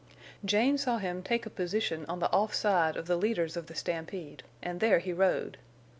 Jane saw him take a position on the off side of the leaders of the stampede, and there he rode.